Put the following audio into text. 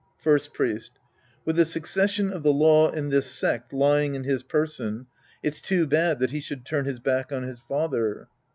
First Priest. With the succession of the law in this sect lying in his person, it's too bad that he should turn liis back on his father.